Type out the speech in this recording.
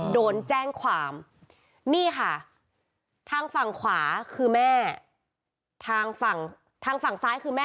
โดนแจ้งความนี่ค่ะทางฝั่งขวาคือแม่ทางฝั่งทางฝั่งซ้ายคือแม่